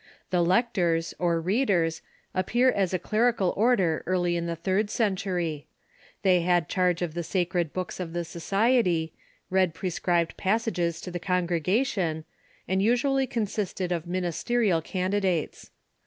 The lectors, or readers, appear as a cler ical order early in the third century. They had charge of the sacred books of the society, read prescribed passages to the congregation, and usually consisted of ministerial candidates.